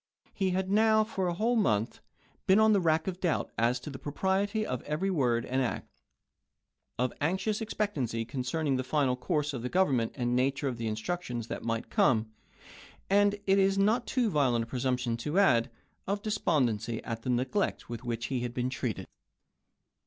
He had now, for a whole month, been on the rack of doubt as to the pro priety of every word and act ; of anxious expect ancy concerning the final course of the Government and nature of the instructions that might come; and it is not too violent a presumption to add, THE SURRENDER PROGRAMME 45 of despondency at the neglect with which he had chap. hi. been treated.